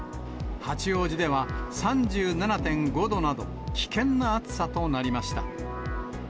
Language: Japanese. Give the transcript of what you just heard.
八王子では３７．５度など、危険な暑さとなりました。